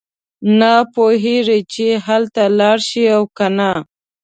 نه پوهېږي چې هلته لاړ شي او کنه.